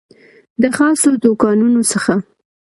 د خاصو دوکانونو څخه